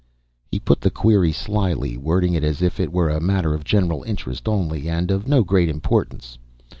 He put the query slyly, wording it as if it were a matter of general interest only, and of no great importance.